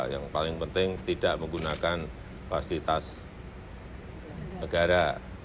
yang paling penting tidak menggunakan fasilitas negara